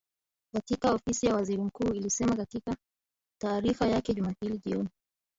katika Ofisi ya Waziri Mkuu ilisema katika taarifa yake Jumapili jioni